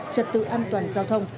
chật tự an toàn giao thông